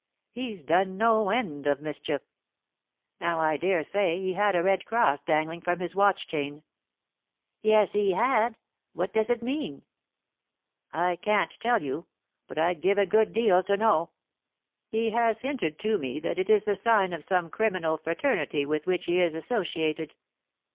He's done no end of mischief. Now I daresay he had a red cross dangling from his watch chain." "Yes, he had. What does it mean?" "I can't tell you; but I'd give a good deal to know. He has hinted to me that it is the sign of some criminal fraternity with which he is associated.